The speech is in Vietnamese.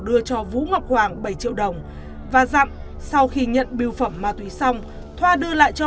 đưa cho vũ ngọc hoàng bảy triệu đồng và dặm sau khi nhận biêu phẩm ma túy xong thoa đưa lại cho